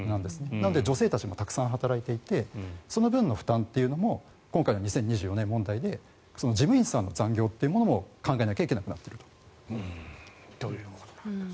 なので、女性たちもたくさん働いていてその分の負担というのも今回の２０２４年問題で事務員さんの残業も考えなきゃいけなくなっていると。ということなんです。